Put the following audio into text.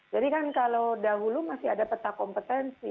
jadi kan kalau dahulu masih ada peta kompetensi